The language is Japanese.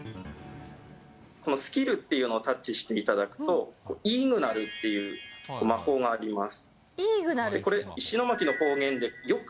このスキルっていうのをタッチしていただくと、イーグナルっていう魔法があります。